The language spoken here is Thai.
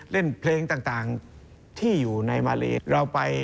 เล่นเพลงต่างที่อยู่ในมาเล